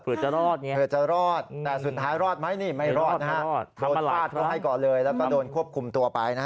เผื่อจะรอดไงแต่สุดท้ายรอดไหมนี่ไม่รอดนะฮะโดนฆาตก็ให้ก่อเลยแล้วก็โดนควบคุมตัวไปนะฮะ